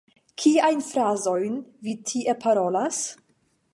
Kiajn frazojn vi tie parolas?